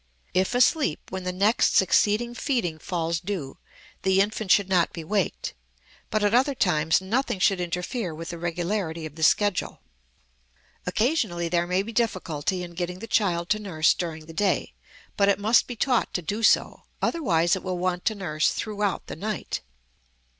If asleep when the next succeeding feeding falls due, the infant should not be waked, but at other times nothing should interfere with the regularity of the schedule. Occasionally there may be difficulty in getting the child to nurse during the day, but it must be taught to do so; otherwise it will want to nurse throughout the night.